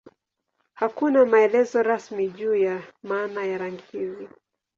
Hakuna maelezo rasmi juu ya maana ya rangi hizi.